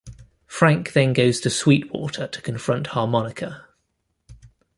Frank then goes to Sweetwater to confront Harmonica.